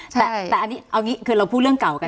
ใช่แต่อันนี้อันนี้คือเราพูดเรื่องเก่ากันแล้ว